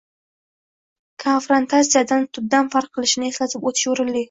konfrantatsiyadan tubdan farq qilishini eslatib o‘tish o‘rinli: